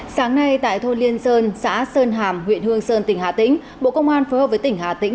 sáng nay tại thôn liên sơn xã sơn hàm huyện hương sơn tỉnh hà tĩnh bộ công an phối hợp với tỉnh hà tĩnh